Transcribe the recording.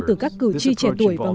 từ các cử tri trẻ tuổi đến gia đình